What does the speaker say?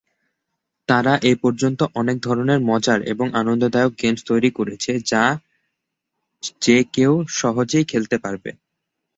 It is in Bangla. তারা এ পর্যন্ত অনেক ধরনের মজার এবং আনন্দদায়ক গেমস তৈরি করেছে যা যে কেউ সহজেই খেলতে পারবে।